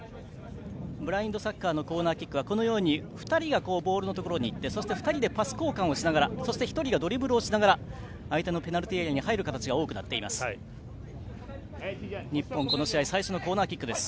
ブラインドサッカーのコーナーキックは２人がボールにいってそして２人でパス交換をしながらそして１人がドリブルをしながら相手のペナルティーエリアに入る形が多いです。